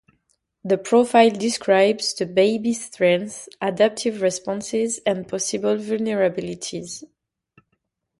The profile describes the baby's strengths, adaptive responses and possible vulnerabilities.